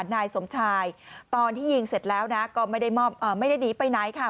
นายสมชายตอนที่ยิงเสร็จแล้วนะก็ไม่ได้หนีไปไหนค่ะ